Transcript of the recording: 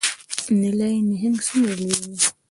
نیلي نهنګ څومره لوی دی؟